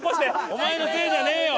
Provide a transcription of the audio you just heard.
お前のせいじゃねえよ！